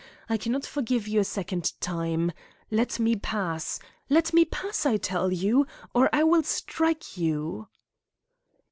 I cannot forgive you a second time. Let me pass! Let me pass, I tell you, or I will strike you!"